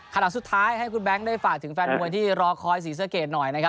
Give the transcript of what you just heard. ขณะสุดท้ายให้คุณแบงค์ได้ฝากถึงแฟนมวยที่รอคอยศรีสะเกดหน่อยนะครับ